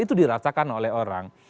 itu dirasakan oleh orang